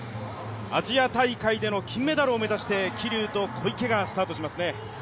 アジア大会での金メダルを目指して桐生と小池がスタートしますね。